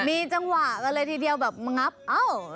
มีจังหวะเลยทีเดียวแบบเอ้า